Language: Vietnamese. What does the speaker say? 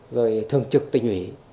rồi thường trực tỉnh ủy